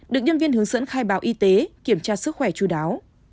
được nhân viên hướng dẫn khai báo y tế kiểm tra sức khỏe chú đáo